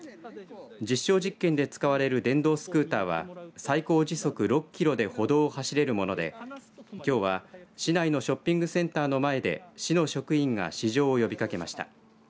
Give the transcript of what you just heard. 実証実験で使われる電動スクーターは最高時速６キロで歩道を走れるものできょうは市内のショッピングセンターの前で市の職員が試乗を呼びかけました。